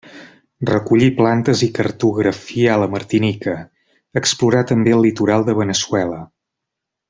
Recollí plantes i cartografià la Martinica; explorà també el litoral de Veneçuela.